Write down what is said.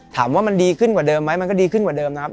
ถามว่ามันดีขึ้นกว่าเดิมไหมมันก็ดีขึ้นกว่าเดิมนะครับ